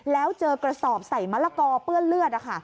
แล้วเจอกระสอบใส่มะละกอเปื้อนเลือด